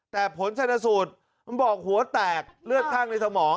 แต่ผลชนสูตรมันบอกหัวแตกเลือดข้างในสมอง